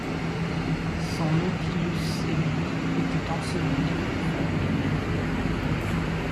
Son Nautilus et lui étaient ensevelis au fond d’un abîme.